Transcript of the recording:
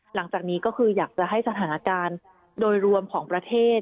หลังจากนี้ก็คืออยากจะให้สถานการณ์โดยรวมของประเทศ